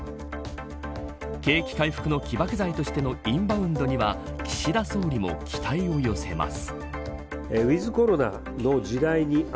景気回復の起爆剤としてのインバウンドには岸田総理も期待を寄せます。